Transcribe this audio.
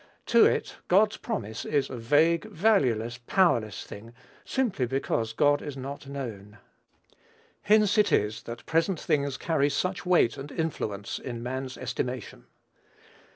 To it God's promise is a vague, valueless, powerless thing, simply because God is not known. Hence it is that present things carry such weight and influence in man's estimation.